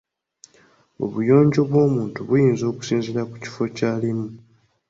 Obuyonjo bw'omuntu buyinza okusinziira ku kifo ky’alimu.